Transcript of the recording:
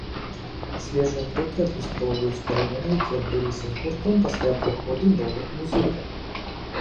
Свежыя трэкі адлюстроўваюць перамены, якія адбыліся з гуртом пасля прыходу новых музыкаў.